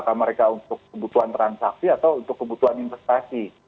nah untuk kebutuhan transaksi atau untuk kebutuhan investasi